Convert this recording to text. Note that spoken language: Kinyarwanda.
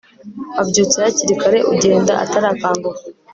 wabyutse hakiri kare ugenda atarakanguka